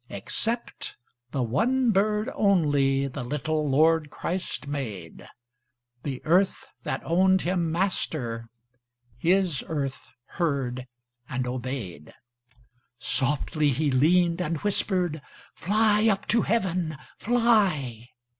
Except the one bird only The little Lord Christ made; The earth that owned Him Master, His earth heard and obeyed. Softly He leaned and whispered: "Fly up to Heaven! Fly!"